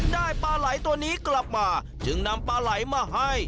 ปลาไหล่ตัวนี้กลับมาจึงนำปลาไหลมาให้